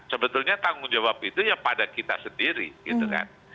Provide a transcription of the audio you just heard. sebetulnya tanggung jawab itu ya pada kita sendiri gitu kan